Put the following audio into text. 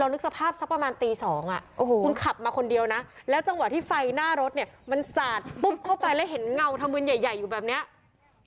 นึกสภาพสักประมาณตี๒คุณขับมาคนเดียวนะแล้วจังหวะที่ไฟหน้ารถเนี่ยมันสาดปุ๊บเข้าไปแล้วเห็นเงาธมืนใหญ่อยู่แบบเนี้ย